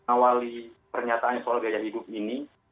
awali pernyataan soal gaya hidup ini